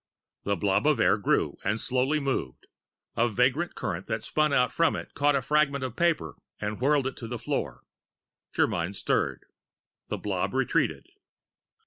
The blob of air grew and slowly moved. A vagrant current that spun out from it caught a fragment of paper and whirled it to the floor. Germyn stirred. The blob retreated.